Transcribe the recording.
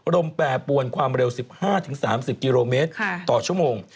แปรปวนความเร็ว๑๕๓๐กิโลเมตรต่อชั่วโมง